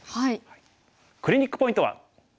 クリニックポイントは。